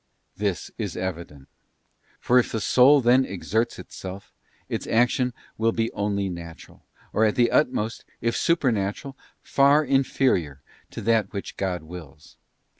This is evident; for if the soul then exerts itself its action will be only natural, or, at the utmost, if supernatural, far inferior to that which God wills.